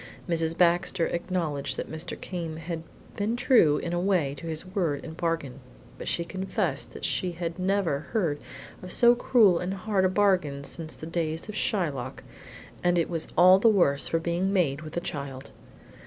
Mrs. Baxter acknowledged that Mr. Came had been true, in a way, to his word and bargain, but she confessed that she had never heard of so cruel and hard a bargain since the days of Shylock, and it was all the worse for being made with a child.